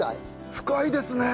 深いですね！